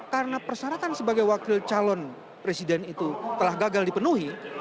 karena persyaratan sebagai wakil calon presiden itu telah gagal dipenuhi